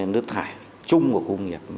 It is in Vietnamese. nước thải chung của khu công nghiệp